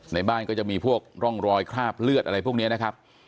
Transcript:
ในบ้านก็จะมีพวกร่องรอยคราบเลือดอะไรพวกนี้นะครับ